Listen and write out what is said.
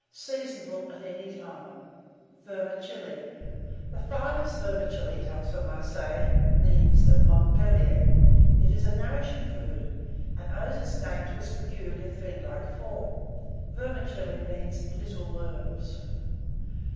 Seasonable at any time. VERMICELLI. The finest vermicelli comes from Marseilles, Nimes, and Montpellier. It is a nourishing food, and owes its name to its peculiar thread like form. Vermicelli means, little worms.